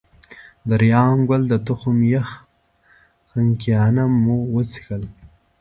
د ریحان ګل د تخم یخ خنکيانه مو وڅښل.